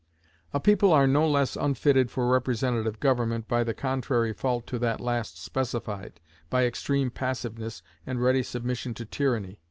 A people are no less unfitted for representative government by the contrary fault to that last specified by extreme passiveness, and ready submission to tyranny.